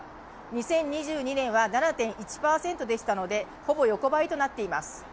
２０２２年は７．１％でしたのでほぼ横ばいとなっています。